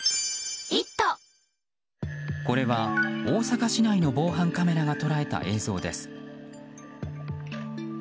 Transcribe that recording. これは、大阪市内の防犯カメラが捉えた映像です。